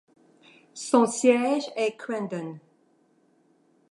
Son siège est Crandon.